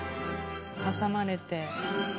「挟まれて」